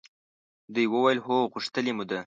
دوی وویل هو! غوښتلې مو ده.